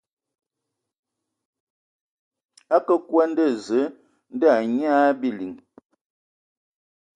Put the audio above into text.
A kǝǝ kwi a nda Zǝǝ ndɔ a anyian a biliŋ.